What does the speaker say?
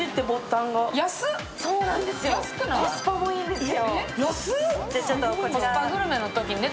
コスパもいいんですよ。